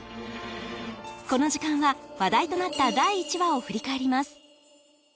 この時間は話題となった第１話を振り返ります